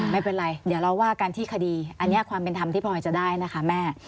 ไม่เป็นไรเดี๋ยวเราว่ากันที่คดีอันนี้ความเป็นธรรมที่พลอยจะได้นะคะแม่